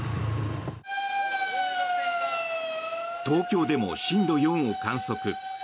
東京でも震度４を観測。